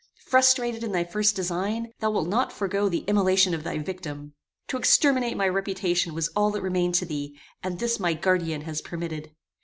Frustrated in thy first design, thou wilt not forego the immolation of thy victim. To exterminate my reputation was all that remained to thee, and this my guardian has permitted.